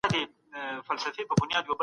په اقتصاد کې سيال شو.